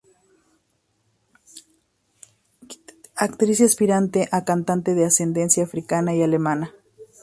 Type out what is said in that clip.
Actriz y aspirante a cantante de ascendencia africana y alemana.